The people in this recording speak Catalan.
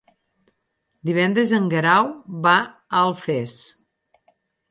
Divendres en Guerau va a Alfés.